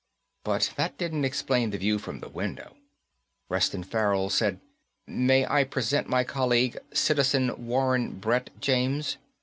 But that didn't explain the view from the window. Reston Farrell said, "May I present my colleague, Citizen Warren Brett James?